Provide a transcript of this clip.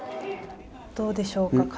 どうでしょうか？